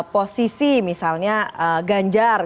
posisi misalnya ganjar